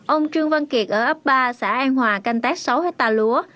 ông trương văn kiệt ở ấp ba xã an hòa canh tác sáu hectare lúa